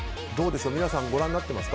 皆さん、ご覧になってますか？